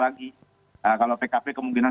lagi kalau pkp kemungkinan